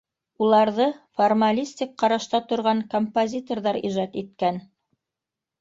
Уларҙы формалистик ҡарашта торған композиторҙар ижад иткән!